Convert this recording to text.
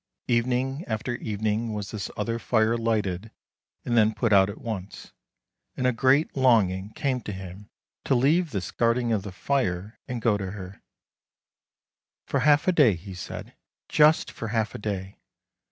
Evening after evening was this other fire lighted and then put out at once, and a great longing came to him to leave this guarding of the fire, and go to her —" For half a day," he said —" just for half a day."